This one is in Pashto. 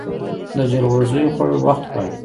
د جلغوزیو خوړل وخت غواړي.